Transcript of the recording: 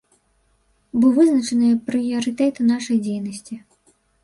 Бо вызначаныя прыярытэты нашай дзейнасці.